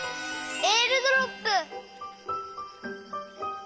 えーるドロップ！